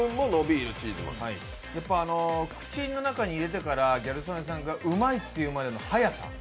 やっぱ口の中に入れてから、ギャル曽根さんがうまいって言うまでの速さ。